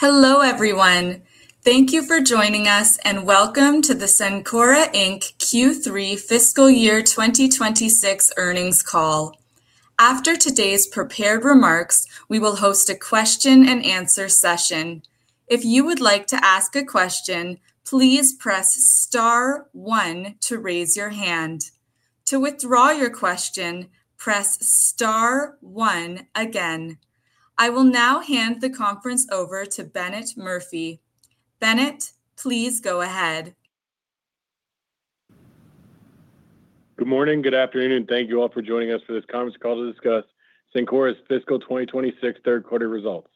Hello, everyone. Thank you for joining us, and welcome to the Cencora, Q3 fiscal year 2026 earnings call. After today's prepared remarks, we will host a question-and-answer session. If you would like to ask a question, please press star one to raise your hand. To withdraw your question, press star one again. I will now hand the conference over to Bennett Murphy. Bennett, please go ahead. Good morning, good afternoon, thank you all for joining us for this conference call to discuss Cencora's fiscal 2026 third quarter results.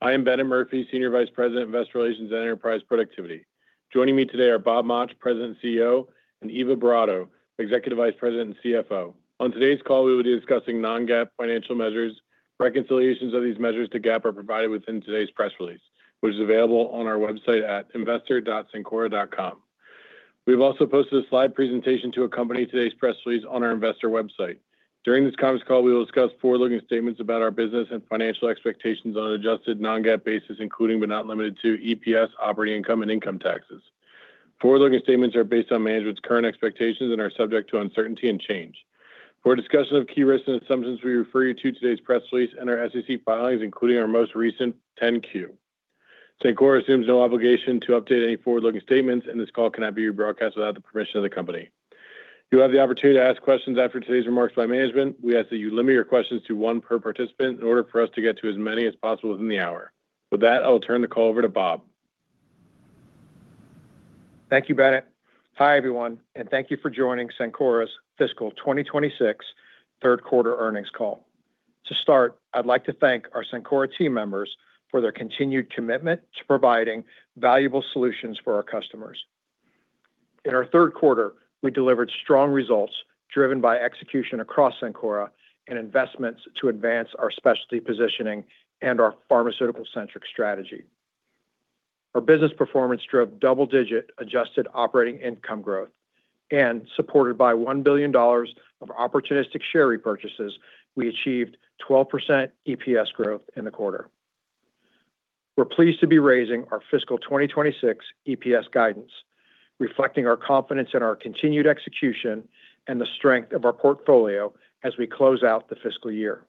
I am Bennett Murphy, Senior Vice President of Investor Relations and Enterprise Productivity. Joining me today are Bob Mauch, President and CEO, and Eva Boratto, Executive Vice President and CFO. On today's call, we will be discussing non-GAAP financial measures. Reconciliations of these measures to GAAP are provided within today's press release, which is available on our website at investor.cencora.com. We've also posted a slide presentation to accompany today's press release on our investor website. During this conference call, we will discuss forward-looking statements about our business and financial expectations on an adjusted non-GAAP basis, including but not limited to EPS, operating income, and income taxes. Forward-looking statements are based on management's current expectations and are subject to uncertainty and change. For a discussion of key risks and assumptions, we refer you to today's press release and our SEC filings, including our most recent 10-Q. Cencora assumes no obligation to update any forward-looking statements, and this call cannot be rebroadcast without the permission of the company. You have the opportunity to ask questions after today's remarks by management. We ask that you limit your questions to one per participant in order for us to get to as many as possible within the hour. With that, I will turn the call over to Bob. Thank you, Bennett. Hi, everyone, and thank you for joining Cencora's fiscal 2026 third quarter earnings call. To start, I'd like to thank our Cencora team members for their continued commitment to providing valuable solutions for our customers. In our third quarter, we delivered strong results driven by execution across Cencora and investments to advance our specialty positioning and our pharmaceutical-centric strategy. Our business performance drove double-digit adjusted operating income growth and, supported by $1 billion of opportunistic share repurchases, we achieved 12% EPS growth in the quarter. We're pleased to be raising our fiscal 2026 EPS guidance, reflecting our confidence in our continued execution and the strength of our portfolio as we close out the fiscal year.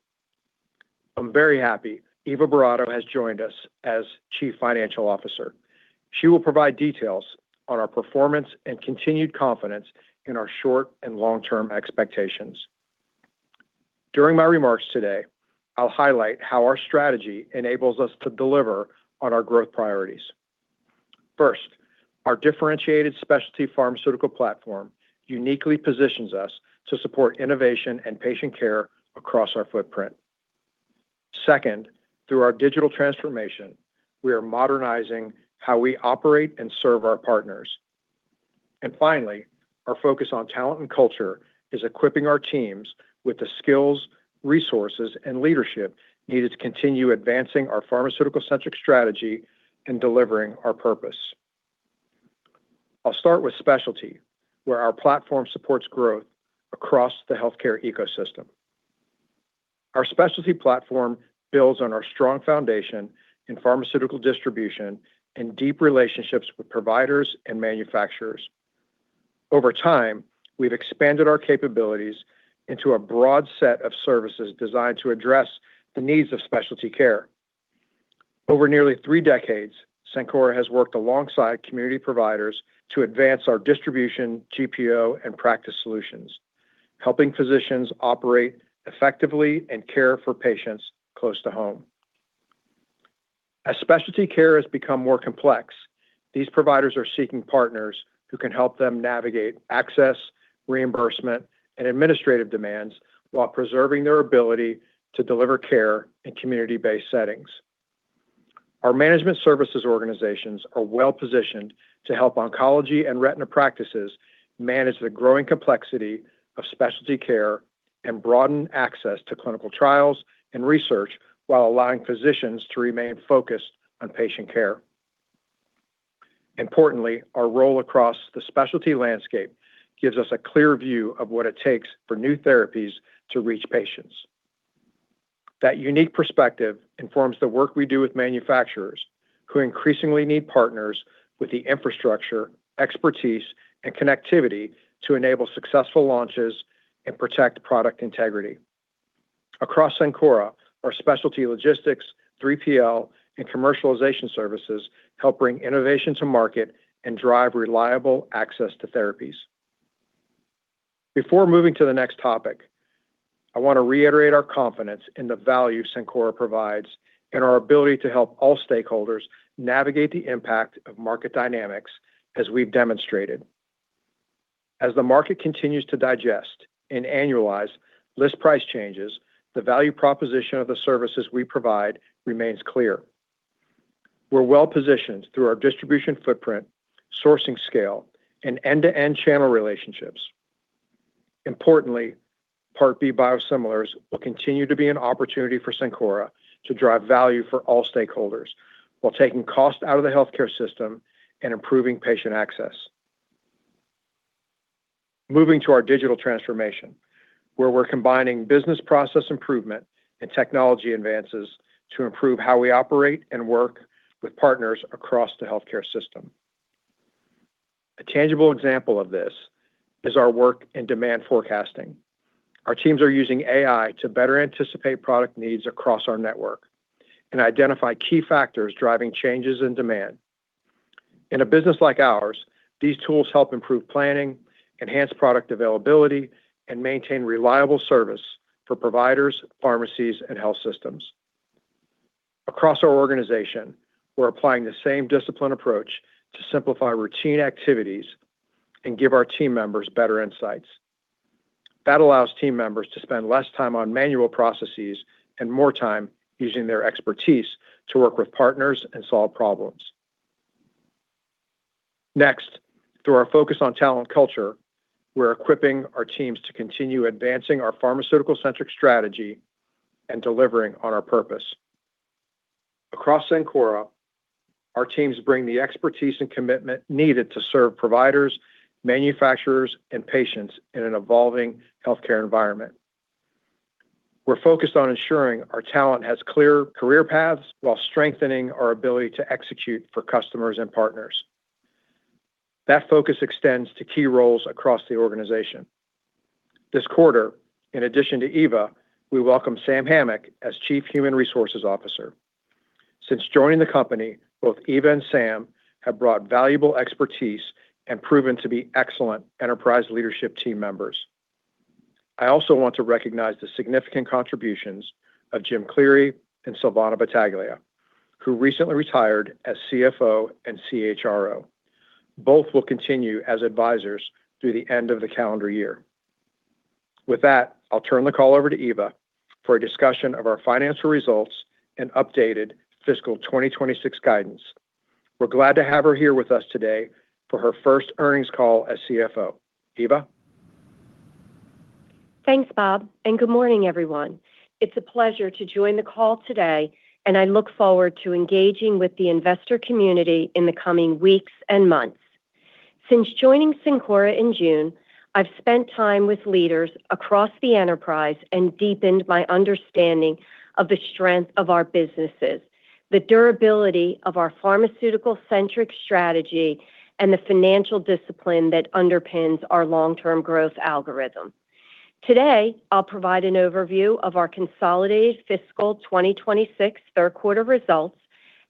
I'm very happy Eva Boratto has joined us as Chief Financial Officer. She will provide details on our performance and continued confidence in our short and long-term expectations. During my remarks today, I'll highlight how our strategy enables us to deliver on our growth priorities. First, our differentiated specialty pharmaceutical platform uniquely positions us to support innovation and patient care across our footprint. Second, through our digital transformation, we are modernizing how we operate and serve our partners. Finally, our focus on talent and culture is equipping our teams with the skills, resources, and leadership needed to continue advancing our pharmaceutical-centric strategy and delivering our purpose. I'll start with specialty, where our platform supports growth across the healthcare ecosystem. Our specialty platform builds on our strong foundation in pharmaceutical distribution and deep relationships with providers and manufacturers. Over time, we've expanded our capabilities into a broad set of services designed to address the needs of specialty care. Over nearly three decades, Cencora has worked alongside community providers to advance our distribution, GPO, and practice solutions, helping physicians operate effectively and care for patients close to home. As specialty care has become more complex, these providers are seeking partners who can help them navigate access, reimbursement, and administrative demands while preserving their ability to deliver care in community-based settings. Our management services organizations are well-positioned to help oncology and retina practices manage the growing complexity of specialty care and broaden access to clinical trials and research while allowing physicians to remain focused on patient care. Importantly, our role across the specialty landscape gives us a clear view of what it takes for new therapies to reach patients. That unique perspective informs the work we do with manufacturers who increasingly need partners with the infrastructure, expertise, and connectivity to enable successful launches and protect product integrity. Across Cencora, our specialty logistics, 3PL, and commercialization services help bring innovation to market and drive reliable access to therapies. Before moving to the next topic, I want to reiterate our confidence in the value Cencora provides and our ability to help all stakeholders navigate the impact of market dynamics as we've demonstrated. As the market continues to digest and annualize list price changes, the value proposition of the services we provide remains clear. We're well-positioned through our distribution footprint, sourcing scale, and end-to-end channel relationships. Importantly, Part B biosimilars will continue to be an opportunity for Cencora to drive value for all stakeholders while taking cost out of the healthcare system and improving patient access. Moving to our digital transformation, where we're combining business process improvement and technology advances to improve how we operate and work with partners across the healthcare system. A tangible example of this is our work in demand forecasting. Our teams are using AI to better anticipate product needs across our network and identify key factors driving changes in demand. In a business like ours, these tools help improve planning, enhance product availability, and maintain reliable service for providers, pharmacies, and health systems. Across our organization, we're applying the same disciplined approach to simplify routine activities and give our team members better insights. That allows team members to spend less time on manual processes and more time using their expertise to work with partners and solve problems. Next, through our focus on talent culture, we're equipping our teams to continue advancing our pharmaceutical-centric strategy and delivering on our purpose. Across Cencora, our teams bring the expertise and commitment needed to serve providers, manufacturers, and patients in an evolving healthcare environment. We're focused on ensuring our talent has clear career paths while strengthening our ability to execute for customers and partners. That focus extends to key roles across the organization. This quarter, in addition to Eva, we welcome Sam Hammock as Chief Human Resources Officer. Since joining the company, both Eva and Sam have brought valuable expertise and proven to be excellent enterprise leadership team members. I also want to recognize the significant contributions of James Cleary and Silvana Battaglia, who recently retired as CFO and CHRO. Both will continue as advisors through the end of the calendar year. With that, I'll turn the call over to Eva for a discussion of our financial results and updated fiscal 2026 guidance. We're glad to have her here with us today for her first earnings call as CFO. Eva? Thanks, Bob, good morning, everyone. It's a pleasure to join the call today, and I look forward to engaging with the investor community in the coming weeks and months. Since joining Cencora in June, I've spent time with leaders across the enterprise and deepened my understanding of the strength of our businesses, the durability of our pharmaceutical-centric strategy, and the financial discipline that underpins our long-term growth algorithm. Today, I'll provide an overview of our consolidated fiscal 2026 third quarter results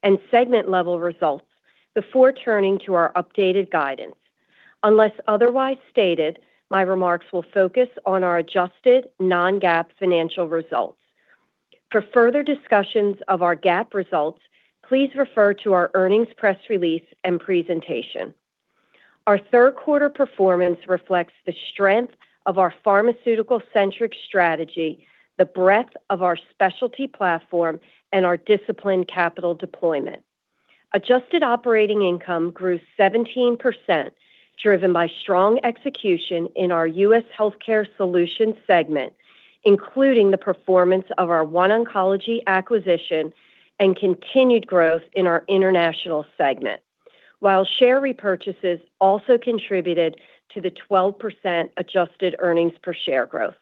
and segment-level results before turning to our updated guidance. Unless otherwise stated, my remarks will focus on our adjusted non-GAAP financial results. For further discussions of our GAAP results, please refer to our earnings press release and presentation. Our third quarter performance reflects the strength of our pharmaceutical-centric strategy, the breadth of our specialty platform, and our disciplined capital deployment. Adjusted operating income grew 17%, driven by strong execution in our U.S. Healthcare Solutions segment, including the performance of our OneOncology acquisition and continued growth in our international segment. While share repurchases also contributed to the 12% adjusted earnings per share growth.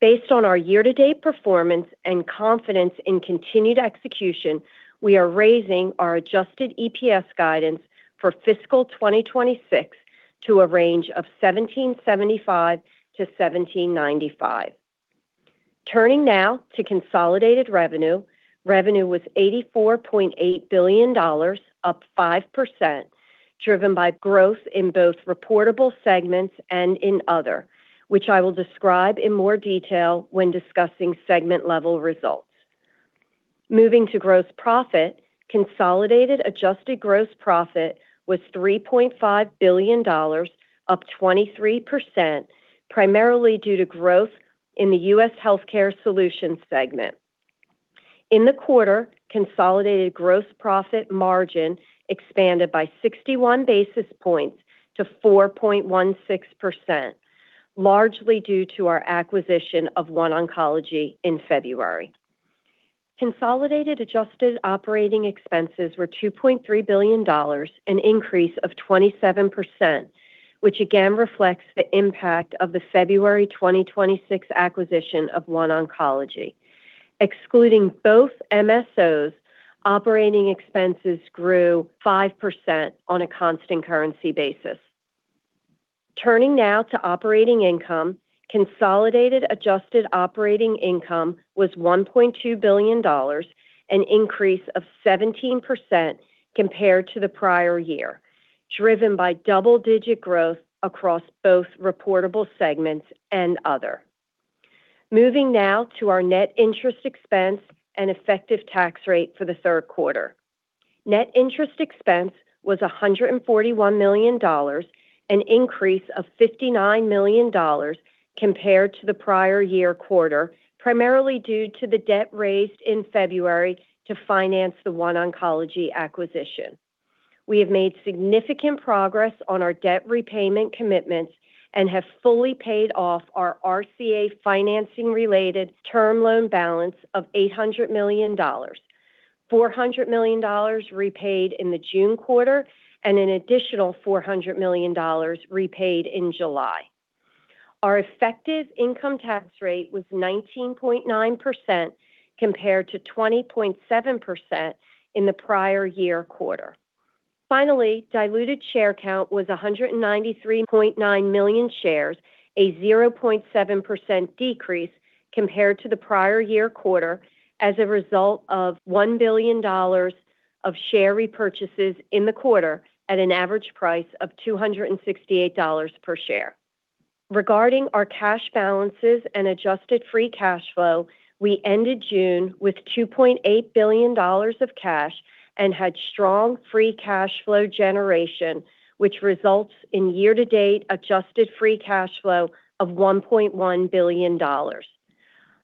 Based on our year-to-date performance and confidence in continued execution, we are raising our adjusted EPS guidance for fiscal 2026 to a range of $17.75-$17.95. Turning now to consolidated revenue. Revenue was $84.8 billion, up 5%, driven by growth in both reportable segments and in other, which I will describe in more detail when discussing segment-level results. Moving to gross profit, consolidated adjusted gross profit was $3.5 billion, up 23%, primarily due to growth in the U.S. Healthcare Solutions segment. In the quarter, consolidated gross profit margin expanded by 61 basis points to 4.16%, largely due to our acquisition of OneOncology in February. Consolidated adjusted operating expenses were $2.3 billion, an increase of 27%, which again reflects the impact of the February 2026 acquisition of OneOncology. Excluding both MSOs, operating expenses grew 5% on a constant currency basis. Turning now to operating income, consolidated adjusted operating income was $1.2 billion, an increase of 17% compared to the prior year, driven by double-digit growth across both reportable segments and other. Moving now to our net interest expense and effective tax rate for the third quarter. Net interest expense was $141 million, an increase of $59 million compared to the prior year quarter, primarily due to the debt raised in February to finance the OneOncology acquisition. We have made significant progress on our debt repayment commitments and have fully paid off our RCA financing related term loan balance of $800 million. $400 million repaid in the June quarter, an additional $400 million repaid in July. Our effective income tax rate was 19.9% compared to 20.7% in the prior year quarter. Finally, diluted share count was 193.9 million shares, a 0.7% decrease compared to the prior year quarter as a result of $1 billion of share repurchases in the quarter at an average price of $268 per share. Regarding our cash balances and adjusted free cash flow, we ended June with $2.8 billion of cash and had strong free cash flow generation, which results in year-to-date adjusted free cash flow of $1.1 billion.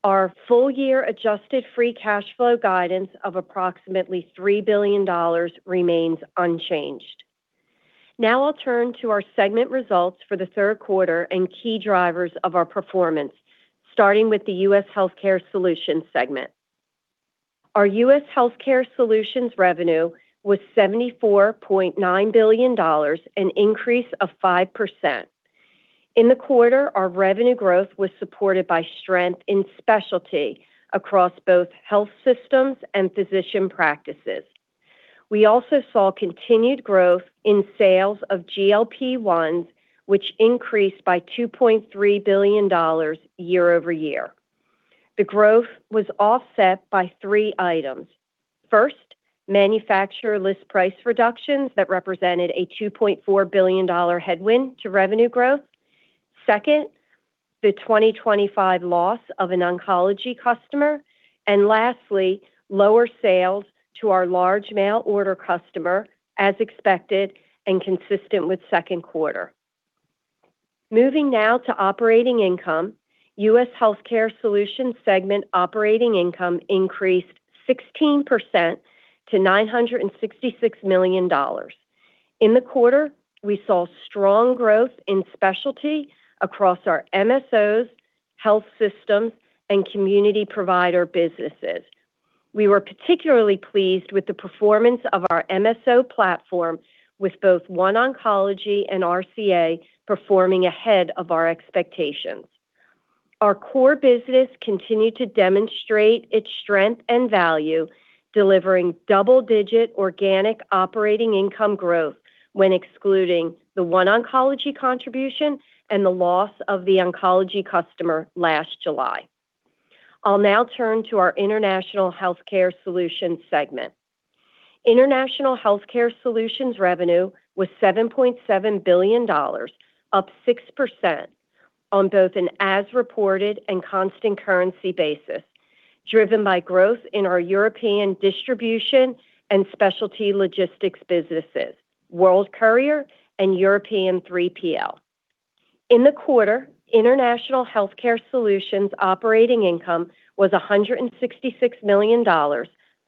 Our full-year adjusted free cash flow guidance of approximately $3 billion remains unchanged. I'll turn to our segment results for the third quarter and key drivers of our performance, starting with the U.S. Healthcare Solutions segment. Our U.S. Healthcare Solutions revenue was $74.9 billion, an increase of 5%. In the quarter, our revenue growth was supported by strength in specialty across both health systems and physician practices. We also saw continued growth in sales of GLP-1s, which increased by $2.3 billion year-over-year. The growth was offset by three items. First, manufacturer list price reductions that represented a $2.4 billion headwind to revenue growth. Second, the 2025 loss of an oncology customer. Lastly, lower sales to our large mail order customer, as expected and consistent with second quarter. Moving now to operating income. U.S. Healthcare Solutions segment operating income increased 16% to $966 million. In the quarter, we saw strong growth in specialty across our MSOs, health systems, and community provider businesses. We were particularly pleased with the performance of our MSO platform, with both OneOncology and RCA performing ahead of our expectations. Our core business continued to demonstrate its strength and value, delivering double-digit organic operating income growth when excluding the OneOncology contribution and the loss of the oncology customer last July. I'll now turn to our International Healthcare Solutions segment. International Healthcare Solutions revenue was $7.7 billion, up 6% on both an as reported and constant currency basis, driven by growth in our European distribution and specialty logistics businesses, World Courier and European 3PL. In the quarter, International Healthcare Solutions operating income was $166 million,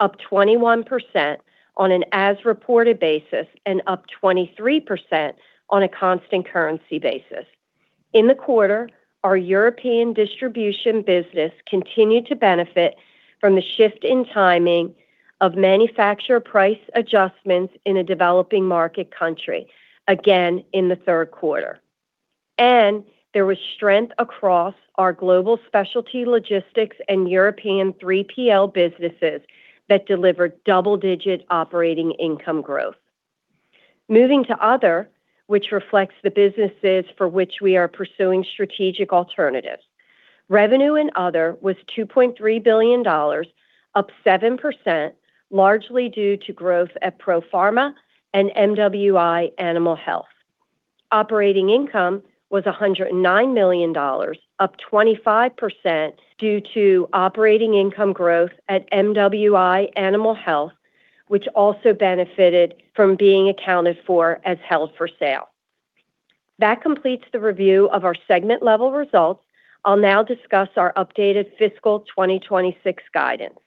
up 21% on an as reported basis and up 23% on a constant currency basis. In the quarter, our European distribution business continued to benefit from the shift in timing of manufacturer price adjustments in a developing market country, again in the third quarter. There was strength across our global specialty logistics and European 3PL businesses that delivered double-digit operating income growth. Moving to Other, which reflects the businesses for which we are pursuing strategic alternatives. Revenue in Other was $2.3 billion, up 7%, largely due to growth at Profarma and MWI Animal Health. Operating income was $109 million, up 25% due to operating income growth at MWI Animal Health, which also benefited from being accounted for as held for sale. That completes the review of our segment-level results. I'll now discuss our updated fiscal 2026 guidance.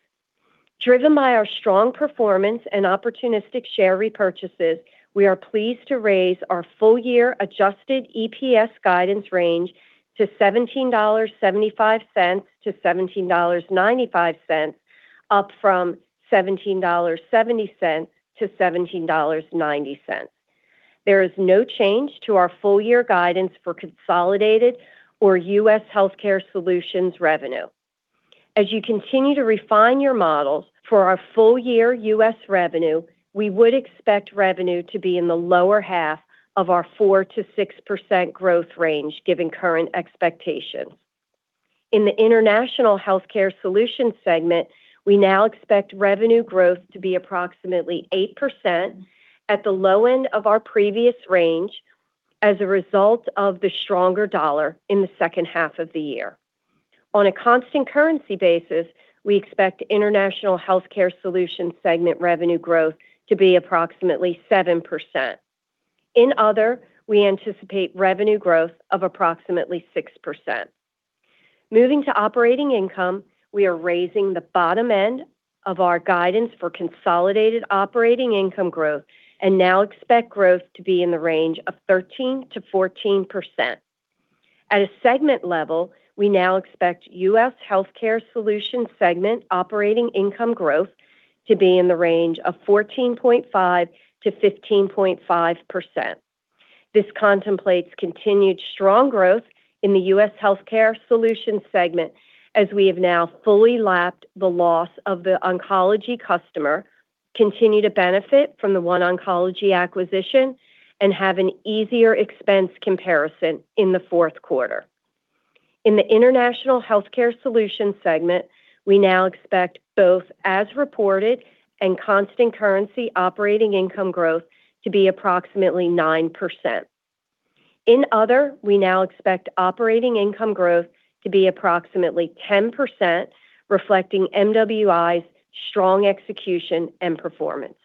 Driven by our strong performance and opportunistic share repurchases, we are pleased to raise our full-year adjusted EPS guidance range to $17.75-$17.95, up from $17.70-$17.90. There is no change to our full-year guidance for consolidated or U.S. Healthcare Solutions revenue. As you continue to refine your models for our full-year U.S. revenue, we would expect revenue to be in the lower half of our 4%-6% growth range, given current expectations. In the International Healthcare Solutions segment, we now expect revenue growth to be approximately 8% at the low end of our previous range as a result of the stronger dollar in the second half of the year. On a constant currency basis, we expect International Healthcare Solutions segment revenue growth to be approximately 7%. In Other, we anticipate revenue growth of approximately 6%. Moving to operating income, we are raising the bottom end of our guidance for consolidated operating income growth and now expect growth to be in the range of 13%-14%. At a segment level, we now expect U.S. Healthcare Solutions segment operating income growth to be in the range of 14.5%-15.5%. This contemplates continued strong growth in the U.S. Healthcare Solutions segment as we have now fully lapped the loss of the oncology customer, continue to benefit from the OneOncology acquisition, and have an easier expense comparison in the fourth quarter. In the International Healthcare Solutions segment, we now expect both as reported and constant currency operating income growth to be approximately 9%. In Other, we now expect operating income growth to be approximately 10%, reflecting MWI's strong execution and performance.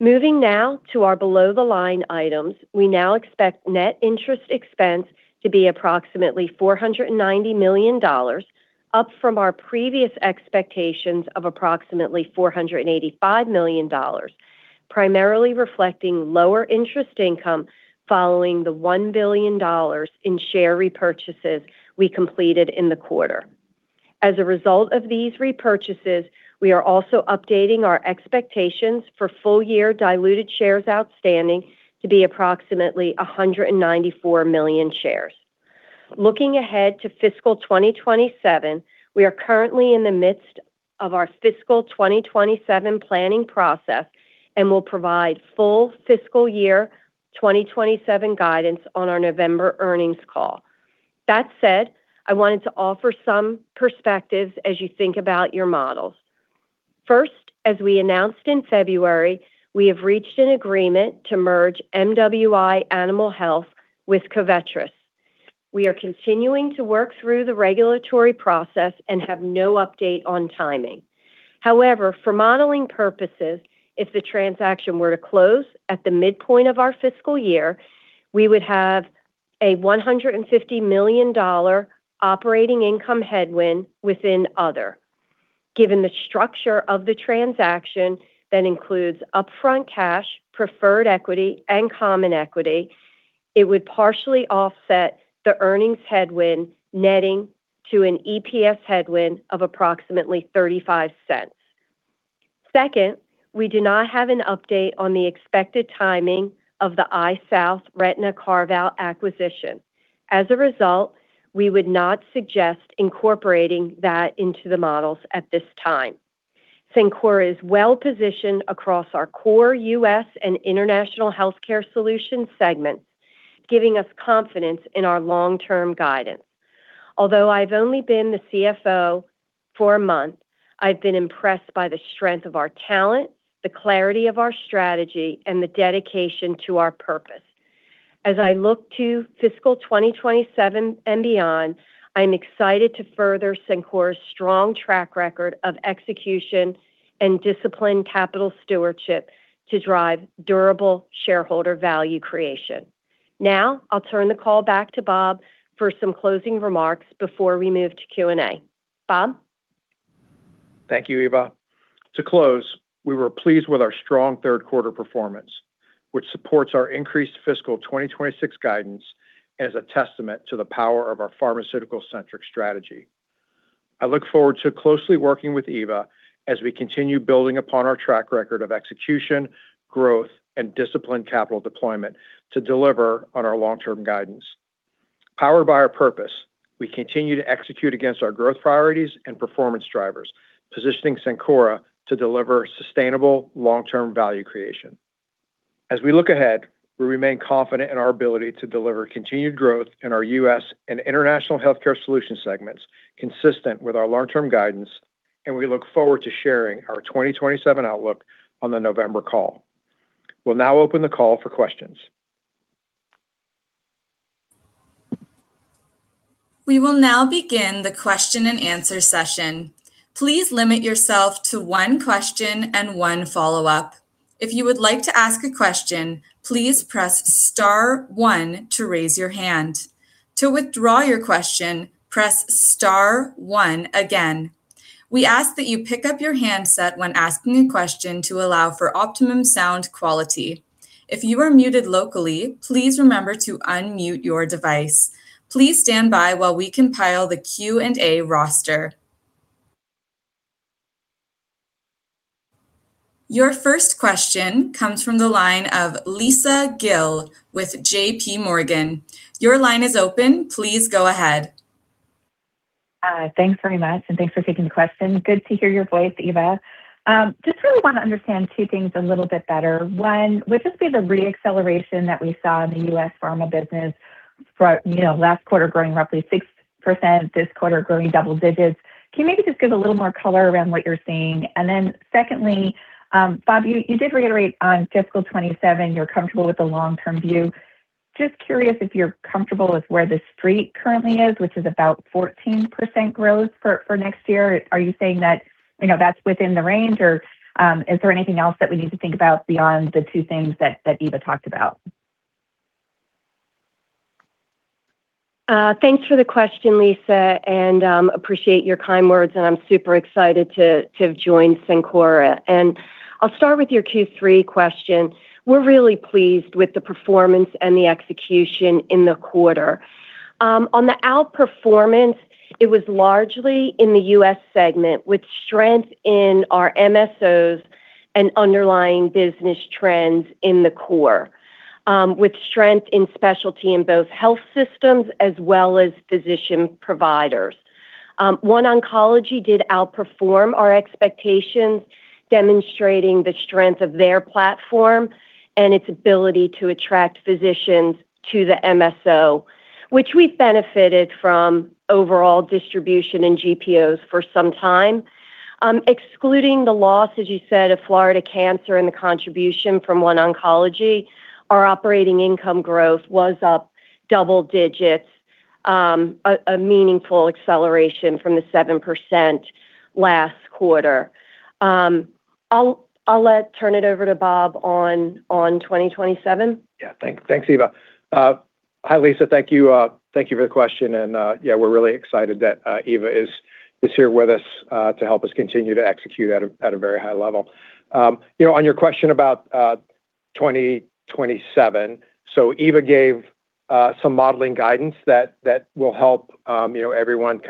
Moving now to our below-the-line items, we now expect net interest expense to be approximately $490 million, up from our previous expectations of approximately $485 million, primarily reflecting lower interest income following the $1 billion in share repurchases we completed in the quarter. As a result of these repurchases, we are also updating our expectations for full-year diluted shares outstanding to be approximately 194 million shares. Looking ahead to fiscal 2027, we are currently in the midst of our fiscal 2027 planning process and will provide full fiscal year 2027 guidance on our November earnings call. That said, I wanted to offer some perspectives as you think about your models. First, as we announced in February, we have reached an agreement to merge MWI Animal Health with Covetrus. We are continuing to work through the regulatory process and have no update on timing. However, for modeling purposes, if the transaction were to close at the midpoint of our fiscal year, we would have a $150 million operating income headwind within Other. Given the structure of the transaction that includes upfront cash, preferred equity, and common equity, it would partially offset the earnings headwind, netting to an EPS headwind of approximately $0.35. Second, we do not have an update on the expected timing of the EyeSouth retina carve-out acquisition. As a result, we would not suggest incorporating that into the models at this time. Cencora is well positioned across our core U.S. and International Healthcare Solutions segments, giving us confidence in our long-term guidance. Although I've only been the CFO for a month, I've been impressed by the strength of our talent, the clarity of our strategy, and the dedication to our purpose. As I look to fiscal 2027 and beyond, I'm excited to further Cencora's strong track record of execution and disciplined capital stewardship to drive durable shareholder value creation. Now, I'll turn the call back to Bob for some closing remarks before we move to Q&A. Bob? Thank you, Eva. To close, we were pleased with our strong third-quarter performance, which supports our increased fiscal 2026 guidance as a testament to the power of our pharmaceutical-centric strategy. I look forward to closely working with Eva as we continue building upon our track record of execution, growth, and disciplined capital deployment to deliver on our long-term guidance. Powered by our purpose, we continue to execute against our growth priorities and performance drivers, positioning Cencora to deliver sustainable long-term value creation. As we look ahead, we remain confident in our ability to deliver continued growth in our U.S. and International Healthcare Solutions segments consistent with our long-term guidance, and we look forward to sharing our 2027 outlook on the November call. We'll now open the call for questions. We will now begin the question and answer session. Please limit yourself to one question and one follow-up. If you would like to ask a question, please press star one to raise your hand. To withdraw your question, press star one again. We ask that you pick up your handset when asking a question to allow for optimum sound quality. If you are muted locally, please remember to unmute your device. Please stand by while we compile the Q&A roster. Your first question comes from the line of Lisa Gill with JPMorgan. Your line is open. Please go ahead. Thanks very much, thanks for taking the question. Good to hear your voice, Eva. Just really want to understand two things a little bit better. One, would this be the re-acceleration that we saw in the U.S. pharma business for last quarter growing roughly 6%, this quarter growing double digits? Can you maybe just give a little more color around what you're seeing? Secondly, Bob, you did reiterate on fiscal 2027 you're comfortable with the long-term view. Just curious if you're comfortable with where the street currently is, which is about 14% growth for next year. Are you saying that's within the range, or is there anything else that we need to think about beyond the two things that Eva talked about? Thanks for the question, Lisa, appreciate your kind words, and I'm super excited to have joined Cencora. I'll start with your Q3 question. We're really pleased with the performance and the execution in the quarter. On the outperformance, it was largely in the U.S. segment, with strength in our MSOs and underlying business trends in the core, with strength in specialty in both health systems as well as physician providers. OneOncology did outperform our expectations, demonstrating the strength of their platform and its ability to attract physicians to the MSO, which we've benefited from overall distribution and GPOs for some time. Excluding the loss, as you said, of Florida Cancer and the contribution from OneOncology, our operating income growth was up double digits, a meaningful acceleration from the 7% last quarter. I'll turn it over to Bob on 2027. Yeah. Thanks, Eva. Hi, Lisa. Thank you for the question. We're really excited that Eva is here with us to help us continue to execute at a very high level. On your question about 2027, Eva gave some modeling guidance that will help everyone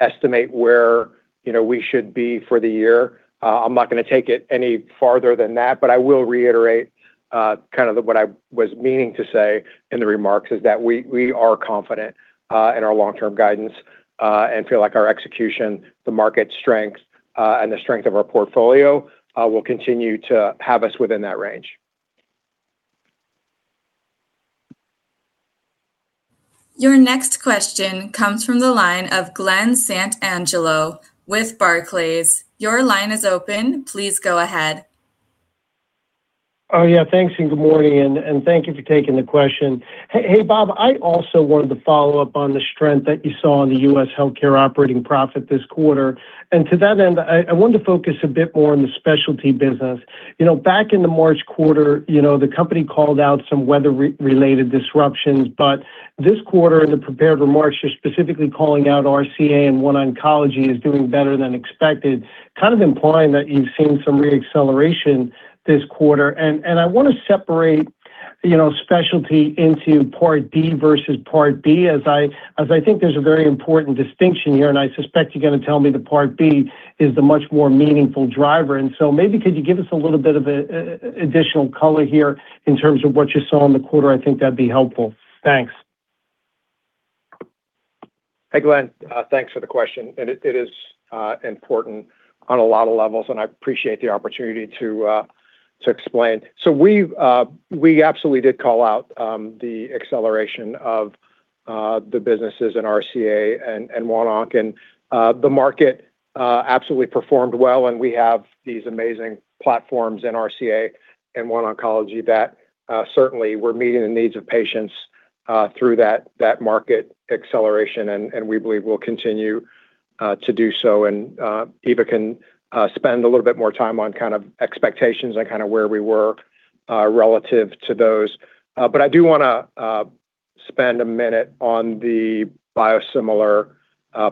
estimate where we should be for the year. I'm not going to take it any farther than that, I will reiterate what I was meaning to say in the remarks is that we are confident in our long-term guidance and feel like our execution, the market strength, and the strength of our portfolio will continue to have us within that range. Your next question comes from the line of Glen Santangelo with Barclays. Your line is open. Please go ahead. Yeah, thanks, good morning, and thank you for taking the question. Hey, Bob, I also wanted to follow up on the strength that you saw in the U.S. healthcare operating profit this quarter. To that end, I wanted to focus a bit more on the specialty business. Back in the March quarter, the company called out some weather-related disruptions. This quarter, in the prepared remarks, you're specifically calling out RCA and OneOncology as doing better than expected, implying that you've seen some re-acceleration this quarter. I want to separate specialty into Part D versus Part B, as I think there's a very important distinction here, and I suspect you're going to tell me the Part B is the much more meaningful driver. Maybe could you give us a little bit of additional color here in terms of what you saw in the quarter? I think that'd be helpful. Thanks. Hey, Glen. Thanks for the question. It is important on a lot of levels, and I appreciate the opportunity to explain. We absolutely did call out the acceleration of the businesses in RCA and One Onc. The market absolutely performed well, and we have these amazing platforms in RCA and One Oncology that certainly were meeting the needs of patients through that market acceleration, and we believe will continue to do so. Eva can spend a little bit more time on expectations and where we were relative to those. I do want to spend a minute on the biosimilar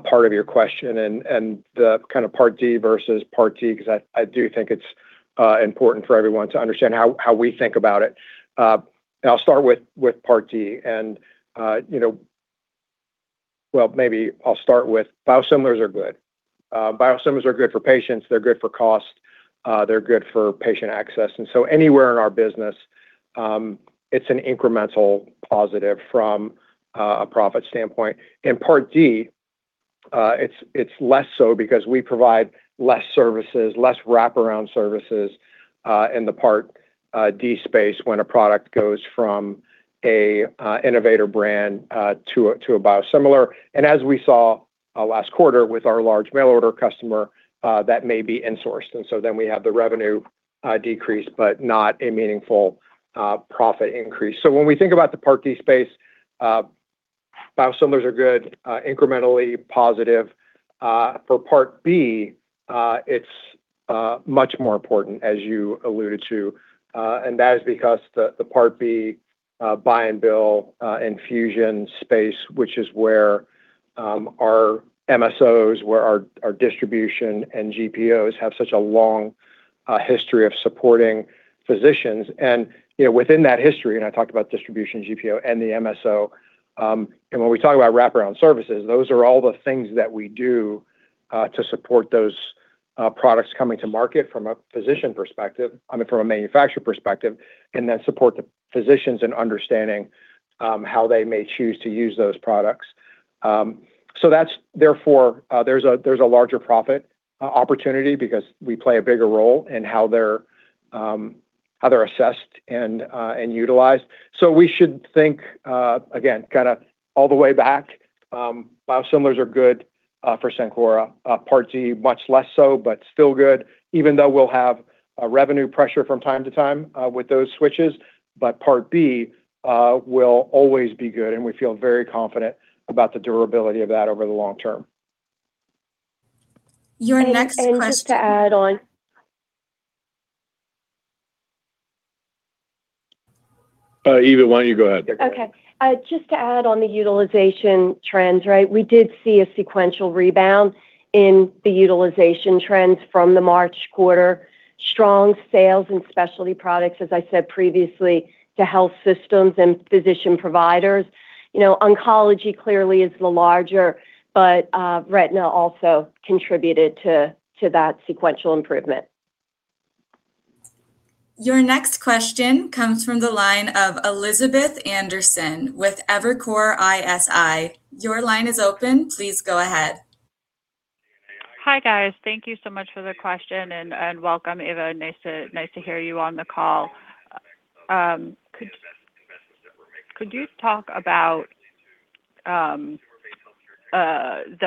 part of your question and the Part D versus Part B, because I do think it's important for everyone to understand how we think about it. I'll start with Part D. Maybe I'll start with biosimilars are good. Biosimilars are good for patients. They're good for cost. They're good for patient access. Anywhere in our business, it's an incremental positive from a profit standpoint. In Part D, it's less so because we provide less services, less wraparound services in the Part D space when a product goes from an innovator brand to a biosimilar. As we saw last quarter with our large mail order customer, that may be insourced. Then we have the revenue decrease, but not a meaningful profit increase. When we think about the Part D space, biosimilars are good, incrementally positive. For Part B, it's much more important, as you alluded to, and that is because the Part B buy and bill infusion space, which is where our MSOs, where our distribution and GPOs have such a long history of supporting physicians. Within that history, I talked about distribution, GPO, and the MSO. When we talk about wraparound services, those are all the things that we do to support those products coming to market from a manufacturer perspective, and then support the physicians in understanding how they may choose to use those products. Therefore, there's a larger profit opportunity because we play a bigger role in how they're assessed and utilized. We should think, again, all the way back, biosimilars are good for Cencora. Part D, much less so, but still good, even though we'll have revenue pressure from time to time with those switches. Part B will always be good, and we feel very confident about the durability of that over the long term. Your next question. Just to add on. Eva, why don't you go ahead? Okay. Just to add on the utilization trends, right? We did see a sequential rebound in the utilization trends from the March quarter. Strong sales in specialty products, as I said previously, to health systems and physician providers. Oncology clearly is the larger, but retina also contributed to that sequential improvement. Your next question comes from the line of Elizabeth Anderson with Evercore ISI. Your line is open. Please go ahead. Hi, guys. Thank you so much for the question, and welcome, Eva. Nice to hear you on the call. Could you talk about the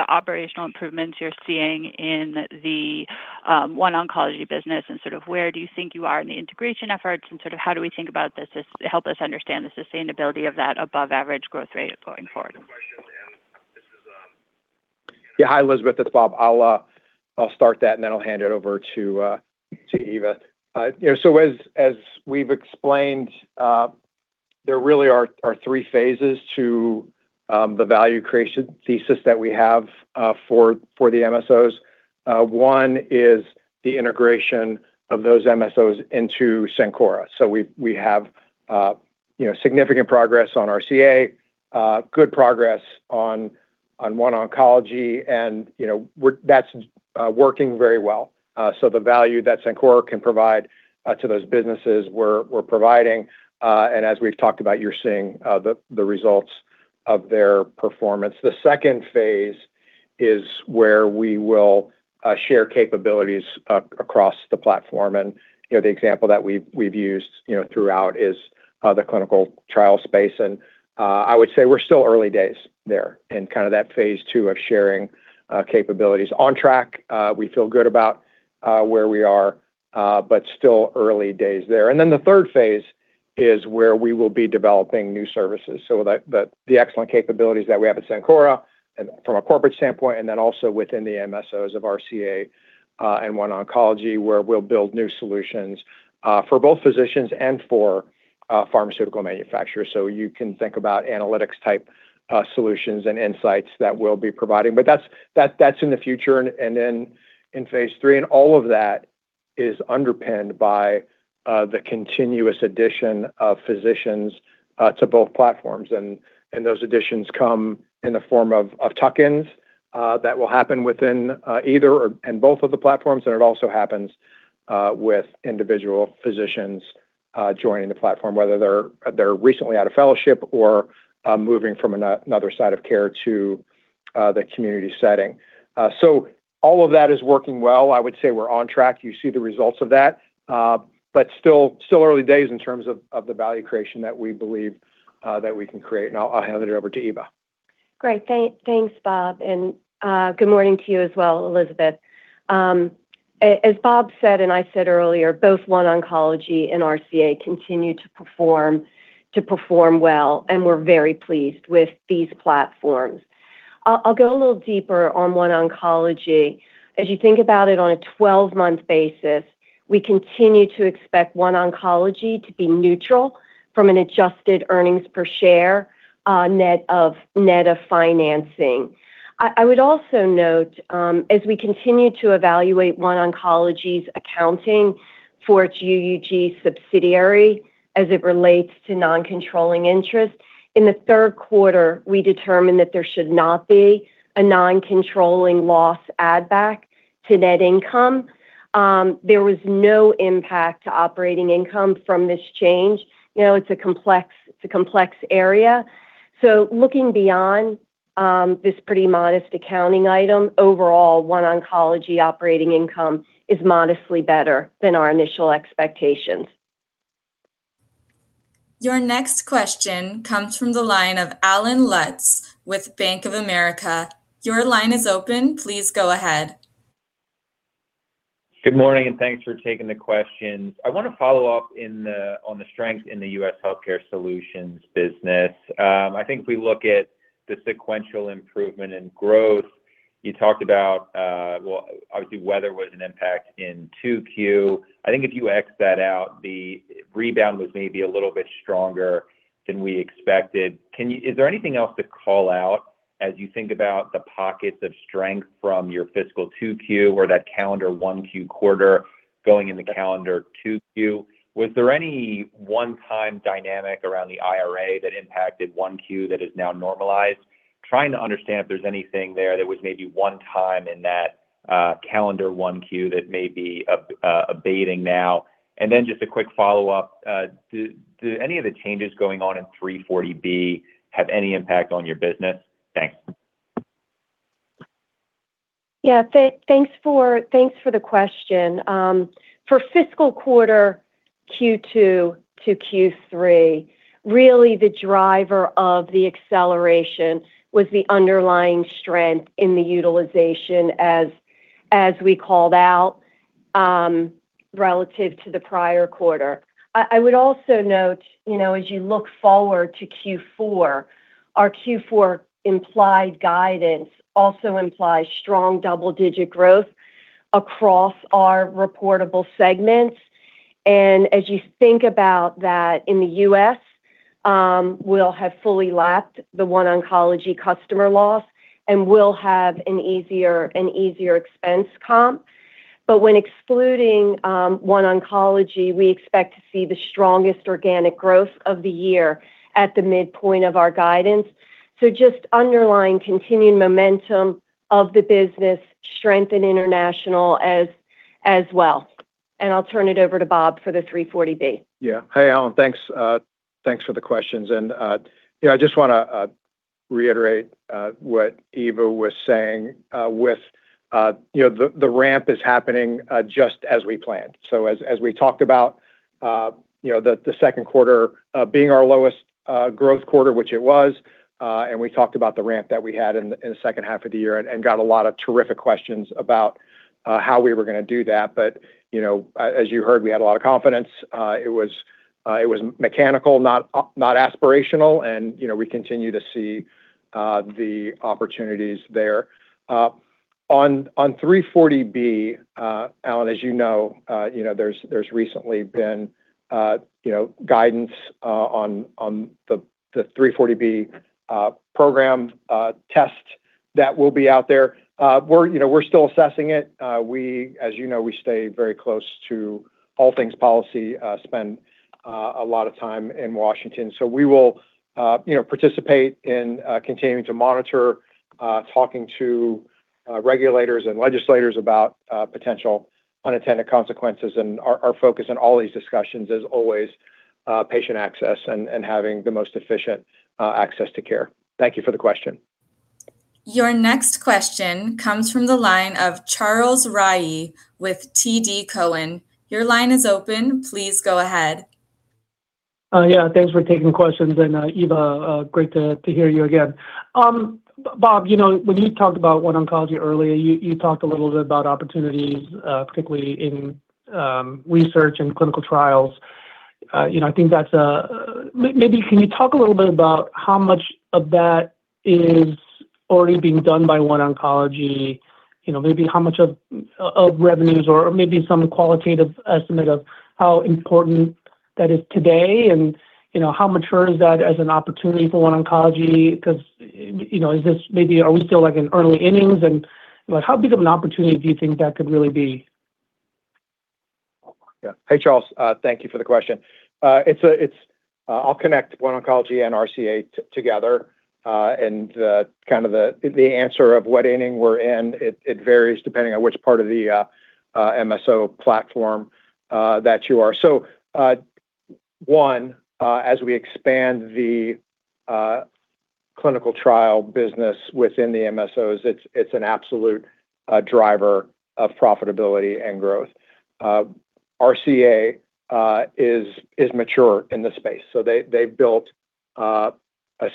operational improvements you're seeing in the OneOncology business, where do you think you are in the integration efforts, and how do we think about this, to help us understand the sustainability of that above average growth rate going forward? Yeah. Hi, Elizabeth. It's Bob. I'll start that, then I'll hand it over to Eva. As we've explained, there really are three phases to the value creation thesis that we have for the MSOs. One is the integration of those MSOs into Cencora. We have significant progress on RCA, good progress on OneOncology, that's working very well. The value that Cencora can provide to those businesses we're providing, as we've talked about, you're seeing the results of their performance. The second phase is where we will share capabilities across the platform. The example that we've used throughout is the clinical trial space. I would say we're still early days there in that phase two of sharing capabilities. On track. We feel good about where we are, still early days there. The third phase is where we will be developing new services. The excellent capabilities that we have at Cencora from a corporate standpoint, also within the MSOs of RCA and OneOncology, where we'll build new solutions for both physicians and for pharmaceutical manufacturers. You can think about analytics type solutions and insights that we'll be providing. That's in the future, in phase three. All of that is underpinned by the continuous addition of physicians to both platforms. Those additions come in the form of tuck-ins that will happen within either or both of the platforms, it also happens with individual physicians joining the platform, whether they're recently out of fellowship or moving from another side of care to the community setting. All of that is working well. I would say we're on track. You see the results of that. Still early days in terms of the value creation that we believe that we can create. Now I'll hand it over to Eva. Great. Thanks, Bob, and good morning to you as well, Elizabeth. As Bob said, and I said earlier, both OneOncology and RCA continue to perform well, and we're very pleased with these platforms. I'll go a little deeper on OneOncology. As you think about it on a 12-month basis, we continue to expect OneOncology to be neutral from an adjusted earnings per share net of financing. I would also note, as we continue to evaluate OneOncology's accounting for its UUG subsidiary as it relates to non-controlling interest, in the third quarter, we determined that there should not be a non-controlling loss add back to net income. There was no impact to operating income from this change. It's a complex area. Looking beyond this pretty modest accounting item, overall, OneOncology operating income is modestly better than our initial expectations. Your next question comes from the line of Allen Lutz with Bank of America. Your line is open. Please go ahead. Good morning, and thanks for taking the questions. I want to follow up on the strength in the U.S. Healthcare Solutions business. I think if we look at the sequential improvement in growth, you talked about, well, obviously, weather was an impact in 2Q. I think if you x that out, the rebound was maybe a little bit stronger than we expected. Is there anything else to call out as you think about the pockets of strength from your fiscal 2Q or that calendar 1Q quarter going into calendar 2Q? Was there any one-time dynamic around the IRA that impacted 1Q that is now normalized? Trying to understand if there's anything there that was maybe one time in that calendar 1Q that may be abating now. Then just a quick follow-up. Do any of the changes going on in 340B have any impact on your business? Thanks. Thanks for the question. For fiscal quarter Q2 to Q3, really the driver of the acceleration was the underlying strength in the utilization as we called out, relative to the prior quarter. I would also note, as you look forward to Q4, our Q4 implied guidance also implies strong double-digit growth across our reportable segments. As you think about that in the U.S., we'll have fully lapped the OneOncology customer loss and we'll have an easier expense comp. When excluding OneOncology, we expect to see the strongest organic growth of the year at the midpoint of our guidance. Just underlying continued momentum of the business, strength in international as well. I'll turn it over to Bob for the 340B. Hey, Allen. Thanks for the questions. I just want to reiterate what Eva was saying with the ramp is happening just as we planned. As we talked about the second quarter being our lowest growth quarter, which it was, and we talked about the ramp that we had in the second half of the year and got a lot of terrific questions about how we were going to do that. As you heard, we had a lot of confidence. It was mechanical, not aspirational. We continue to see the opportunities there. On 340B, Allen, as you know, there's recently been guidance on the 340B Drug Pricing Program test that will be out there. We're still assessing it. As you know, we stay very close to all things policy, spend a lot of time in Washington. We will participate in continuing to monitor, talking to regulators and legislators about potential unintended consequences. Our focus in all these discussions is always patient access and having the most efficient access to care. Thank you for the question. Your next question comes from the line of Charles Rhyee with TD Cowen. Your line is open. Please go ahead. Thanks for taking the questions. Eva, great to hear you again. Bob, when you talked about OneOncology earlier, you talked a little bit about opportunities, particularly in research and clinical trials. Maybe can you talk a little bit about how much of that is already being done by OneOncology? Maybe how much of revenues or maybe some qualitative estimate of how important that is today, and how mature is that as an opportunity for OneOncology? Because, maybe are we still in early innings, and how big of an opportunity do you think that could really be? Yeah. Hey, Charles. Thank you for the question. I'll connect One Oncology and RCA together. The answer of what inning we're in, it varies depending on which part of the MSO platform that you are. One, as we expand the clinical trial business within the MSOs, it's an absolute driver of profitability and growth. RCA is mature in the space. They've built a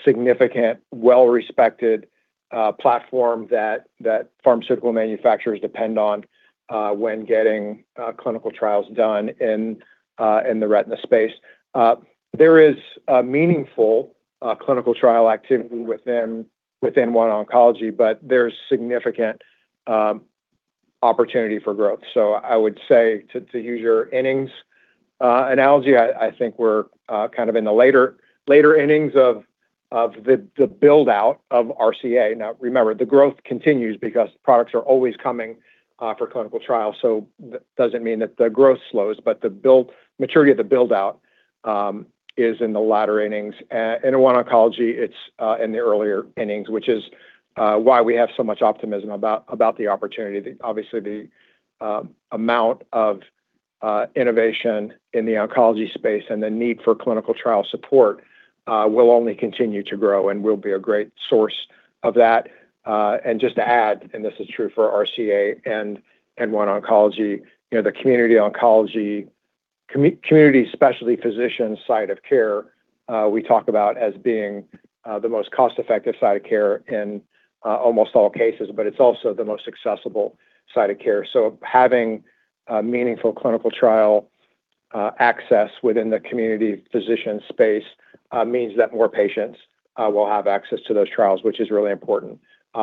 significant, well-respected platform that pharmaceutical manufacturers depend on when getting clinical trials done in the retina space. There is meaningful clinical trial activity within One Oncology. There's significant opportunity for growth. I would say, to use your innings analogy, I think we're in the later innings of the build-out of RCA. Now remember, the growth continues because products are always coming for clinical trial. That doesn't mean that the growth slows. The maturity of the build-out is in the latter innings. In OneOncology it's in the earlier innings, which is why we have so much optimism about the opportunity. Obviously, the amount of innovation in the oncology space and the need for clinical trial support will only continue to grow and will be a great source of that. Just to add, this is true for RCA and OneOncology the community oncology, community specialty physician side of care, we talk about as being the most cost-effective side of care in almost all cases. It's also the most accessible side of care. Having meaningful clinical trial access within the community physician space means that more patients will have access to those trials, which is really important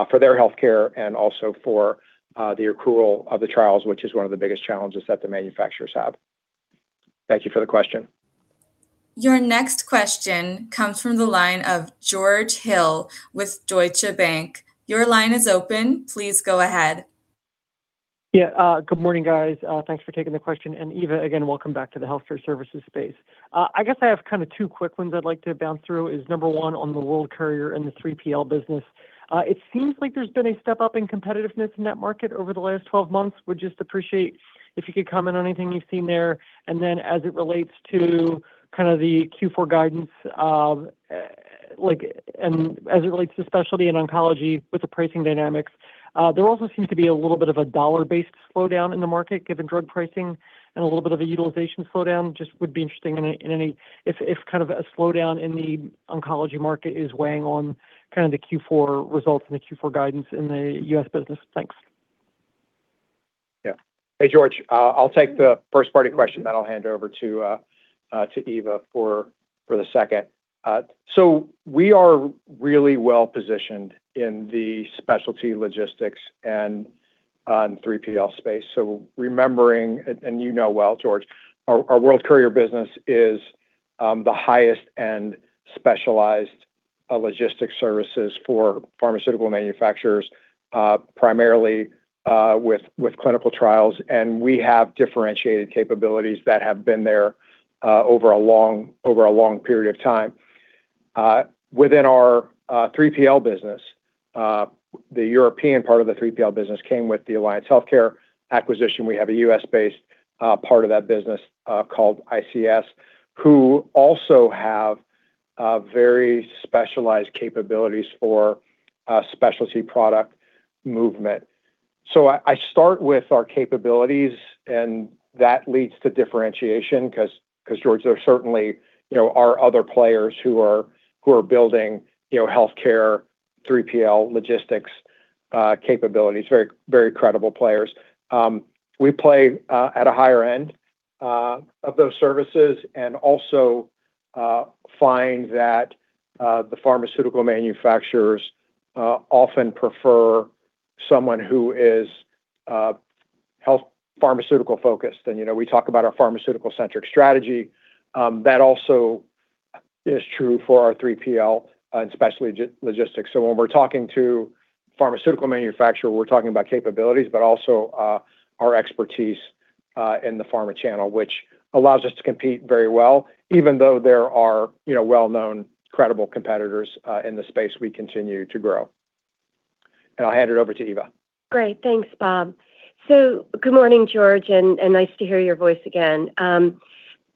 for their healthcare and also for the accrual of the trials, which is one of the biggest challenges that the manufacturers have. Thank you for the question. Your next question comes from the line of George Hill with Deutsche Bank. Your line is open. Please go ahead. Yeah. Good morning, guys. Thanks for taking the question. Eva, again, welcome back to the healthcare services space. I guess I have two quick ones I'd like to bounce through is number one on the World Courier and the 3PL business. It seems like there's been a step up in competitiveness in that market over the last 12 months. Would just appreciate if you could comment on anything you've seen there. Then as it relates to the Q4 guidance, and as it relates to specialty and oncology with the pricing dynamics, there also seems to be a little bit of a dollar-based slowdown in the market given drug pricing and a little bit of a utilization slowdown. Just would be interesting if a slowdown in the oncology market is weighing on the Q4 results and the Q4 guidance in the U.S. business. Thanks. Yeah. Hey, George. I'll take the first part of your question, then I'll hand over to Eva for the second. We are really well-positioned in the specialty logistics and on 3PL space. Remembering, and you know well, George, our World Courier business is the highest end specialized logistic services for pharmaceutical manufacturers, primarily with clinical trials, and we have differentiated capabilities that have been there over a long period of time. Within our 3PL business, the European part of the 3PL business came with the Alliance Healthcare acquisition. We have a U.S.-based part of that business called ICS, who also have very specialized capabilities for specialty product movement. I start with our capabilities, and that leads to differentiation because, George, there certainly are other players who are building healthcare 3PL logistics capabilities. Very credible players. We play at a higher end of those services and also find that the pharmaceutical manufacturers often prefer someone who is health pharmaceutical focused. We talk about our pharmaceutical-centric strategy. That also is true for our 3PL and specialty logistics. When we're talking to pharmaceutical manufacturer, we're talking about capabilities, but also our expertise in the pharma channel, which allows us to compete very well. Even though there are well-known, credible competitors in the space, we continue to grow. I'll hand it over to Eva. Great. Thanks, Bob. Good morning, George, and nice to hear your voice again.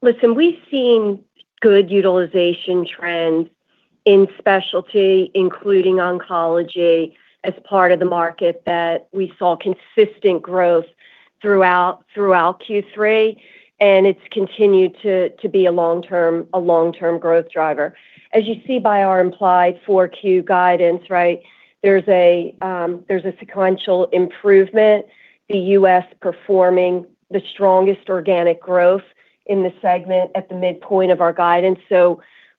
Listen, we've seen good utilization trends in specialty, including oncology as part of the market that we saw consistent growth throughout Q3, and it's continued to be a long-term growth driver. As you see by our implied 4Q guidance, there's a sequential improvement, the U.S. performing the strongest organic growth in the segment at the midpoint of our guidance.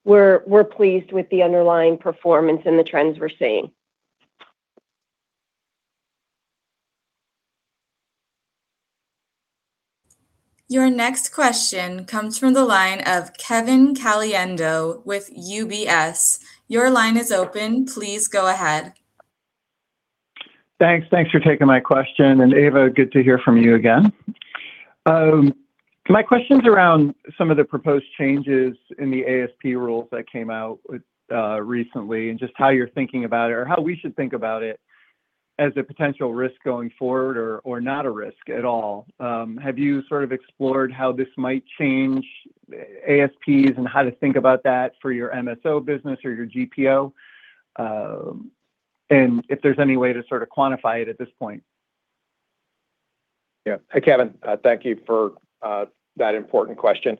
We're pleased with the underlying performance and the trends we're seeing. Your next question comes from the line of Kevin Caliendo with UBS. Your line is open. Please go ahead. Thanks for taking my question. Eva, good to hear from you again. My question's around some of the proposed changes in the ASP rules that came out recently and just how you're thinking about it or how we should think about it as a potential risk going forward or not a risk at all. Have you sort of explored how this might change ASPs and how to think about that for your MSO business or your GPO? If there's any way to sort of quantify it at this point. Hey, Kevin. Thank you for that important question.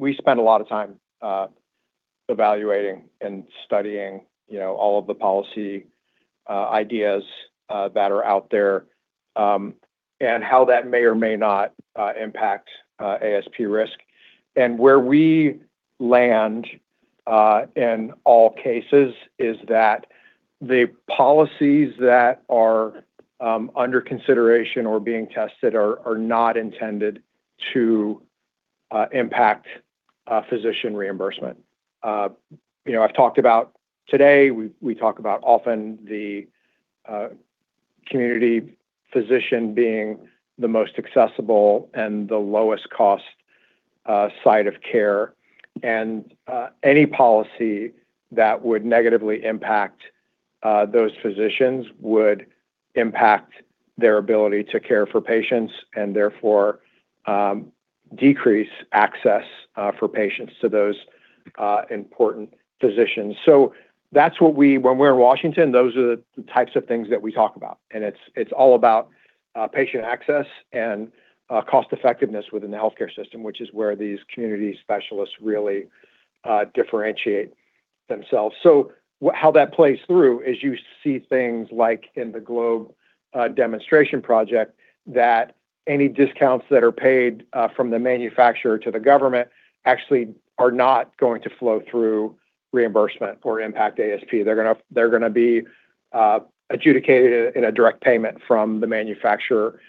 We spend a lot of time evaluating and studying all of the policy ideas that are out there, and how that may or may not impact ASP risk. Where we land, in all cases, is that the policies that are under consideration or being tested are not intended to impact physician reimbursement. I've talked about today, we talk about often the community physician being the most accessible and the lowest cost site of care, and any policy that would negatively impact those physicians would impact their ability to care for patients and therefore decrease access for patients to those important physicians. When we're in Washington, those are the types of things that we talk about, and it's all about patient access and cost effectiveness within the healthcare system, which is where these community specialists really differentiate themselves. How that plays through is you see things like in the GLOBE demonstration project that any discounts that are paid from the manufacturer to the government actually are not going to flow through reimbursement or impact ASP. They're going to be adjudicated in a direct payment from the manufacturer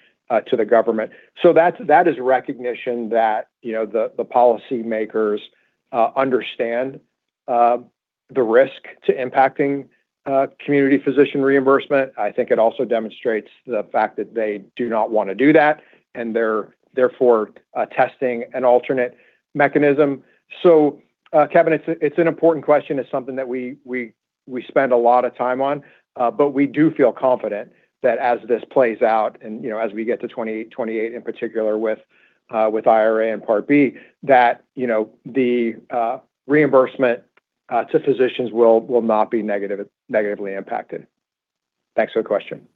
to the government. That is recognition that the policy makers understand the risk to impacting community physician reimbursement. I think it also demonstrates the fact that they do not want to do that, and they're therefore testing an alternate mechanism. Kevin, it's an important question. It's something that we spend a lot of time on. We do feel confident that as this plays out and as we get to 2028, in particular with IRA and Part B, that the reimbursement to physicians will not be negatively impacted. Thanks for the question.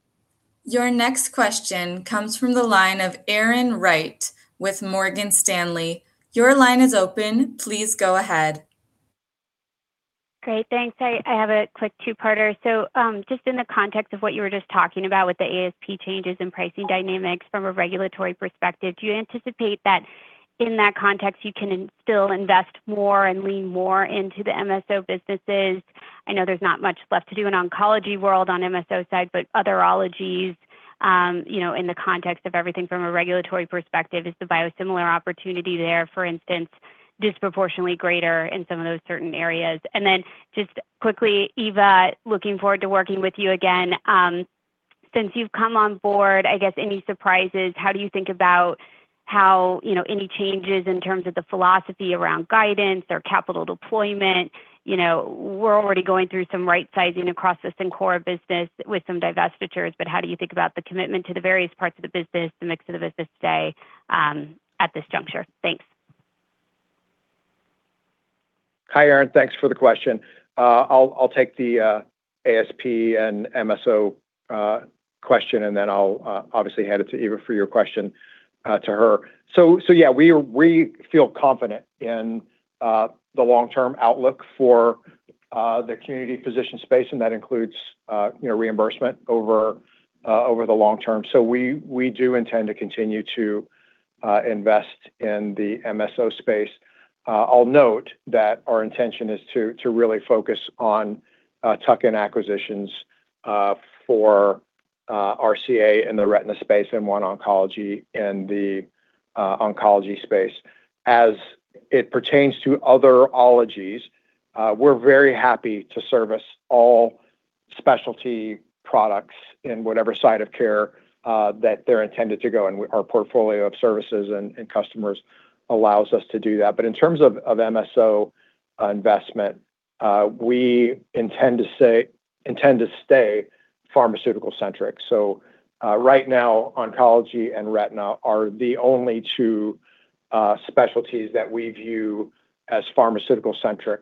Your next question comes from the line of Erin Wright with Morgan Stanley. Your line is open. Please go ahead. Great. Thanks. I have a quick two-parter. Just in the context of what you were just talking about with the ASP changes and pricing dynamics from a regulatory perspective, do you anticipate that in that context, you can still invest more and lean more into the MSO businesses? I know there's not much left to do in oncology world on MSO side, but other ologies. In the context of everything from a regulatory perspective, is the biosimilar opportunity there, for instance, disproportionately greater in some of those certain areas? Just quickly, Eva, looking forward to working with you again. Since you've come on board, I guess any surprises? How do you think about any changes in terms of the philosophy around guidance or capital deployment? We're already going through some right-sizing across the Cencora business with some divestitures. How do you think about the commitment to the various parts of the business, the mix of the business today at this juncture? Thanks. Hi, Erin. Thanks for the question. I'll take the ASP and MSO question, and then I'll obviously hand it to Eva for your question to her. Yeah, we feel confident in the long-term outlook for the community physician space, and that includes reimbursement over the long term. We do intend to continue to invest in the MSO space. I'll note that our intention is to really focus on tuck-in acquisitions for RCA in the retina space and OneOncology in the oncology space. As it pertains to other ologies, we're very happy to service all specialty products in whatever side of care that they're intended to go, and our portfolio of services and customers allows us to do that. In terms of MSO investment, we intend to stay pharmaceutical centric. Right now, oncology and retina are the only two specialties that we view as pharmaceutical centric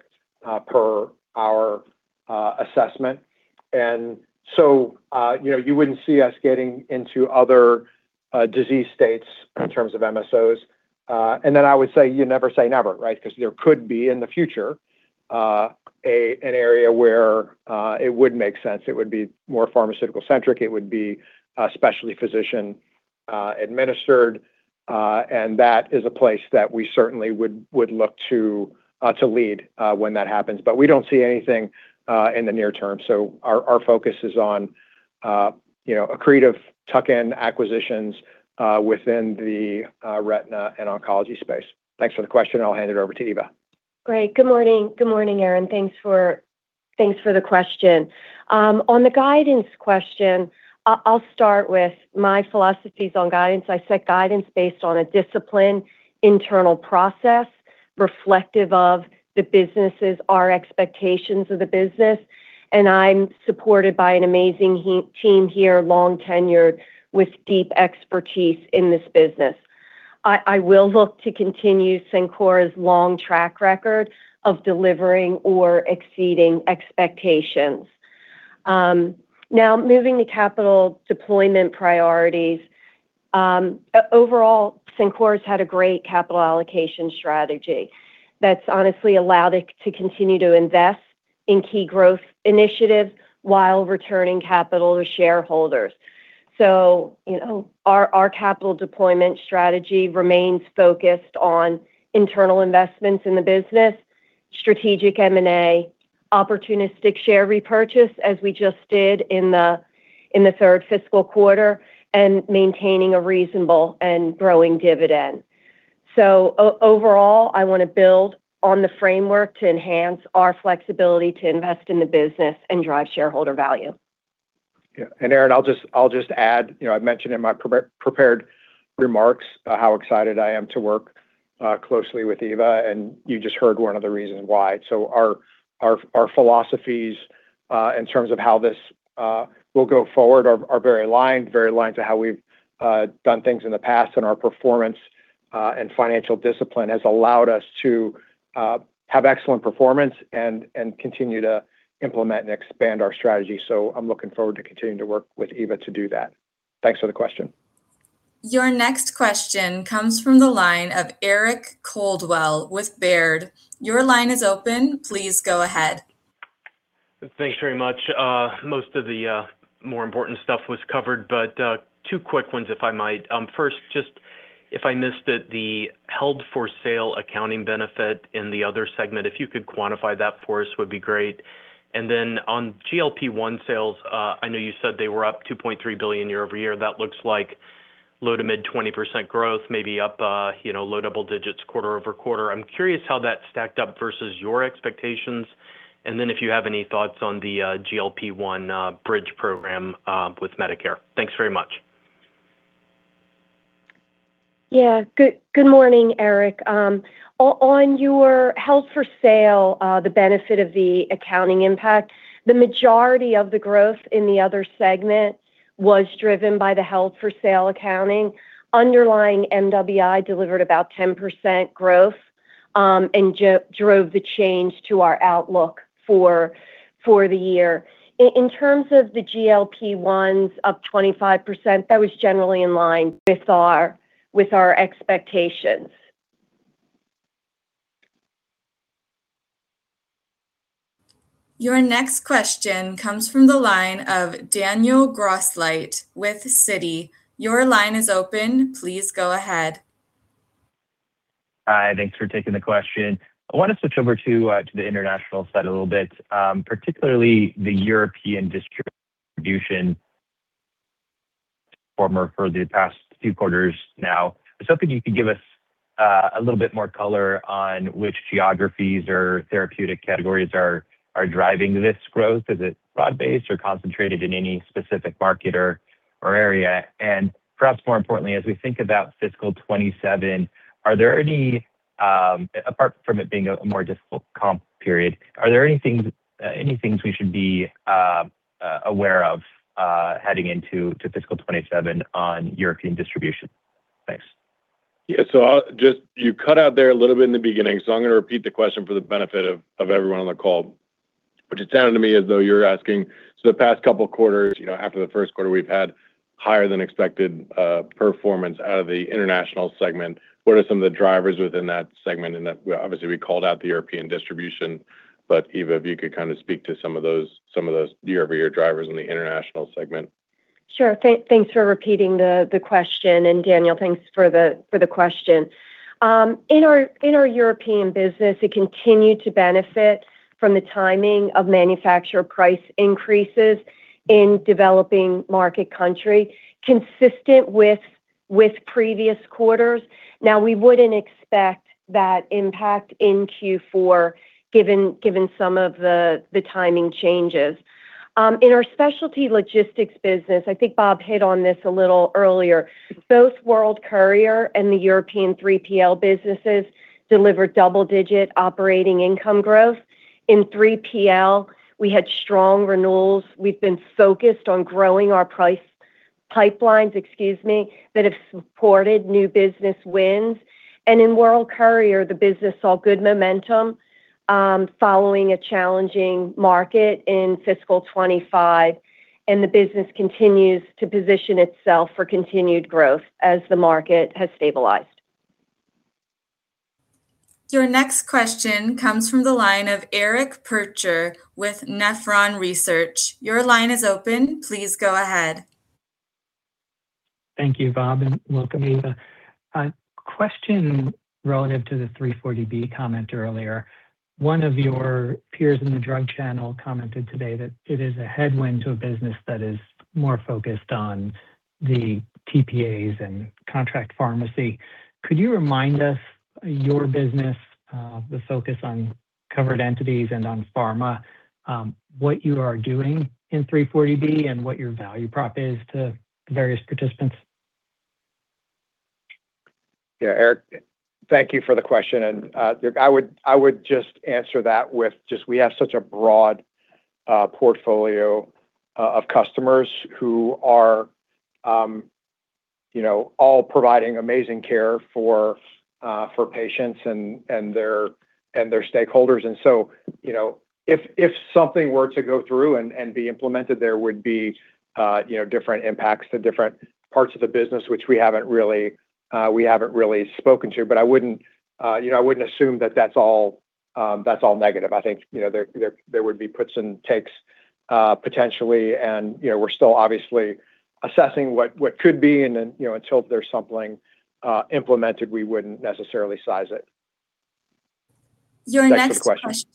per our assessment. You wouldn't see us getting into other disease states in terms of MSOs. I would say you never say never, right? Because there could be in the future an area where it would make sense, it would be more pharmaceutical centric, it would be specialty physician administered, and that is a place that we certainly would look to lead when that happens. We don't see anything in the near term. Our focus is on accretive tuck-in acquisitions within the retina and oncology space. Thanks for the question. I'll hand it over to Eva. Great. Good morning, Erin. Thanks for the question. The guidance question, I'll start with my philosophies on guidance. I set guidance based on a disciplined internal process reflective of the businesses, our expectations of the business, and I'm supported by an amazing team here, long tenured with deep expertise in this business. I will look to continue Cencora's long track record of delivering or exceeding expectations. Moving to capital deployment priorities. Overall, Cencora's had a great capital allocation strategy that's honestly allowed it to continue to invest in key growth initiatives while returning capital to shareholders. Our capital deployment strategy remains focused on internal investments in the business, strategic M&A, opportunistic share repurchase, as we just did in the third fiscal quarter, and maintaining a reasonable and growing dividend. Overall, I want to build on the framework to enhance our flexibility to invest in the business and drive shareholder value. Yeah. Erin, I'll just add, I mentioned in my prepared remarks how excited I am to work closely with Eva, and you just heard one of the reasons why. Our philosophies in terms of how this will go forward are very aligned, very aligned to how we've done things in the past, and our performance and financial discipline has allowed us to have excellent performance and continue to implement and expand our strategy. I'm looking forward to continuing to work with Eva to do that. Thanks for the question. Your next question comes from the line of Eric Coldwell with Baird. Your line is open. Please go ahead. Thanks very much. Most of the more important stuff was covered, but two quick ones, if I might. First, just if I missed it, the held-for-sale accounting benefit in the other segment, if you could quantify that for us, would be great. On GLP-1 sales, I know you said they were up $2.3 billion year-over-year. That looks like low to mid 20% growth, maybe up low double digits quarter-over-quarter. I'm curious how that stacked up versus your expectations, and then if you have any thoughts on the GLP-1 Bridge Program with Medicare. Thanks very much. Good morning, Eric. On your held-for-sale, the benefit of the accounting impact, the majority of the growth in the other segment was driven by the held-for-sale accounting. Underlying MWI delivered about 10% growth and drove the change to our outlook for the year. In terms of the GLP-1s up 25%, that was generally in line with our expectations. Your next question comes from the line of Daniel Grosslight with Citi. Your line is open. Please go ahead. Hi, thanks for taking the question. I want to switch over to the International side a little bit, particularly the European distribution performer for the past few quarters now. I was hoping you could give us a little bit more color on which geographies or therapeutic categories are driving this growth. Is it broad-based or concentrated in any specific market or area? Perhaps more importantly, as we think about fiscal 2027, apart from it being a more difficult comp period, are there any things we should be aware of heading into fiscal 2027 on European distribution? Thanks. Yeah. You cut out there a little bit in the beginning, I'm going to repeat the question for the benefit of everyone on the call. It sounded to me as though you're asking, the past couple of quarters, after the first quarter, we've had higher than expected performance out of the International segment. What are some of the drivers within that segment? Obviously we called out the European distribution, but Eva, if you could speak to some of those year-over-year drivers in the International segment. Sure. Thanks for repeating the question. Daniel, thanks for the question. In our European business, it continued to benefit from the timing of manufacturer price increases in developing market country, consistent with previous quarters. Now, we wouldn't expect that impact in Q4 given some of the timing changes. In our specialty logistics business, I think Bob hit on this a little earlier. Both World Courier and the European 3PL businesses delivered double-digit operating income growth. In 3PL, we had strong renewals. We've been focused on growing our price pipelines, excuse me, that have supported new business wins. In World Courier, the business saw good momentum following a challenging market in fiscal 2025, the business continues to position itself for continued growth as the market has stabilized. Your next question comes from the line of Eric Percher with Nephron Research. Your line is open. Please go ahead. Thank you, Bob, and welcome, Eva. A question relative to the 340B comment earlier. One of your peers in the drug channel commented today that it is a headwind to a business that is more focused on the TPAs and contract pharmacy. Could you remind us, your business, the focus on covered entities and on pharma, what you are doing in 340B and what your value prop is to the various participants? Eric, thank you for the question. I would just answer that with just we have such a broad portfolio of customers who are all providing amazing care for patients and their stakeholders. So, if something were to go through and be implemented, there would be different impacts to different parts of the business, which we haven't really spoken to. I wouldn't assume that that's all negative. I think there would be puts and takes, potentially. We're still obviously assessing what could be and then until there's something implemented, we wouldn't necessarily size it. Thanks for the question. Your next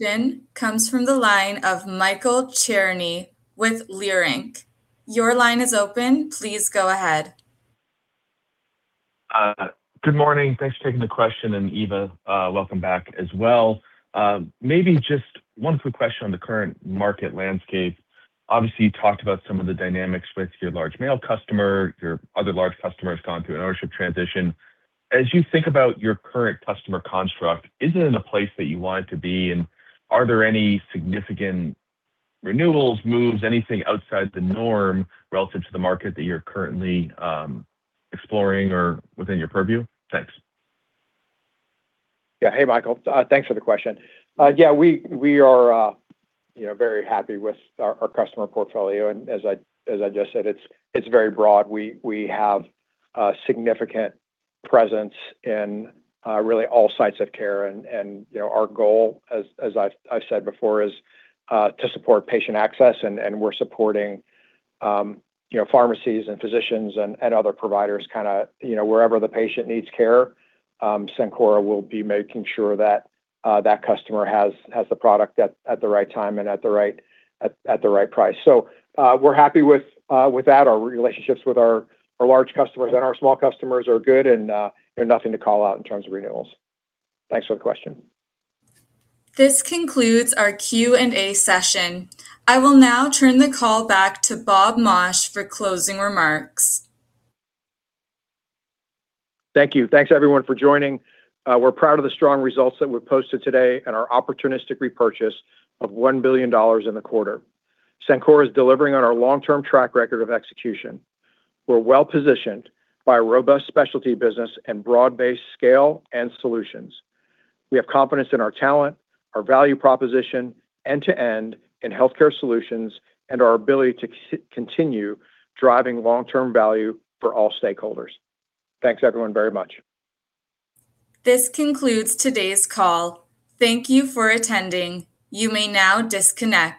question comes from the line of Michael Cherny with Leerink. Your line is open. Please go ahead. Good morning. Thanks for taking the question. Eva, welcome back as well. Maybe just one quick question on the current market landscape. Obviously, you talked about some of the dynamics with your large mail customer. Your other large customer has gone through an ownership transition. As you think about your current customer construct, is it in a place that you want it to be? Are there any significant renewals, moves, anything outside the norm relative to the market that you're currently exploring or within your purview? Thanks. Hey, Michael. Thanks for the question. We are very happy with our customer portfolio, and as I just said, it's very broad. We have a significant presence in really all sites of care, and our goal, as I've said before, is to support patient access, and we're supporting pharmacies and physicians and other providers. Wherever the patient needs care, Cencora will be making sure that that customer has the product at the right time and at the right price. We're happy with that. Our relationships with our large customers and our small customers are good and nothing to call out in terms of renewals. Thanks for the question. This concludes our Q&A session. I will now turn the call back to Bob Mauch for closing remarks. Thank you. Thanks everyone for joining. We're proud of the strong results that we've posted today and our opportunistic repurchase of $1 billion in the quarter. Cencora is delivering on our long-term track record of execution. We're well-positioned by a robust specialty business and broad-based scale and solutions. We have confidence in our talent, our value proposition end-to-end in healthcare solutions, and our ability to continue driving long-term value for all stakeholders. Thanks everyone very much. This concludes today's call. Thank you for attending. You may now disconnect.